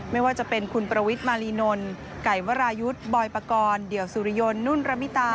ไม่ว่าจะเป็นคุณประวิทรมาลีนนท์